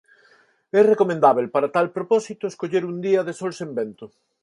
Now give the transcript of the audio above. É recomendábel para tal propósito, escoller un día de sol sen vento.